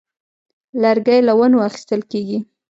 لرګی له ونو اخیستل کېږي.